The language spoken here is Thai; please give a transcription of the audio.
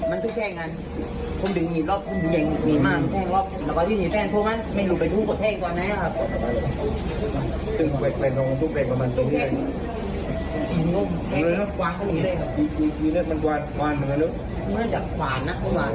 อะร้อนเหนือนึกไม่ใช่หอยัดขวานนะเค้าหัน